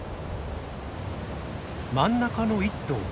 真ん中の１頭。